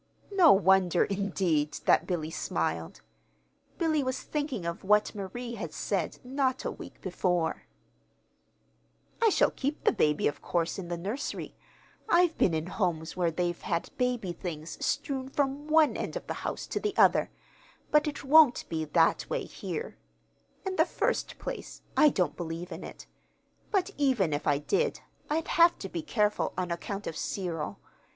No wonder, indeed, that Billy smiled. Billy was thinking of what Marie had said not a week before: "I shall keep the baby, of course, in the nursery. I've been in homes where they've had baby things strewn from one end of the house to the other; but it won't be that way here. In the first place, I don't believe in it; but, even if I did, I'd have to be careful on account of Cyril.